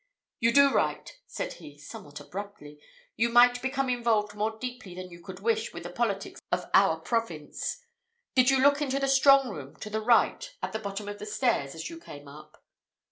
"You do right," said he, somewhat abruptly; "you might become involved more deeply than you could wish with the politics of our province. Did you look into the strong room, to the right, at the bottom of the stairs, as you came up?"